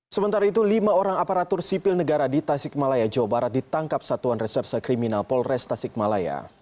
sementara itu lima orang aparatur sipil negara di tasik malaya jawa barat ditangkap satuan reserse kriminal polres tasikmalaya